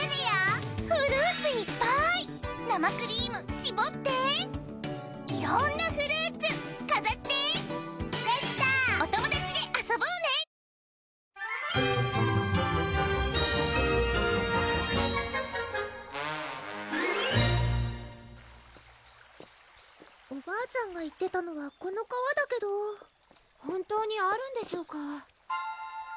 やった！えるえるえるえるぅおばあちゃんが言ってたのはこの川だけど本当にあるんでしょうか？